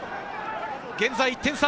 現在１点差。